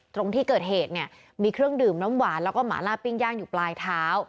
ตรงที่เกิดเหตุเนี่ยมีเครื่องดื่มน้ำหวานแล้วก็หมาล่าปิ้งย่างอยู่ปลายเท้า